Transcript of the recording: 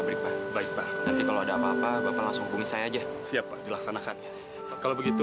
terima kasih banyak pak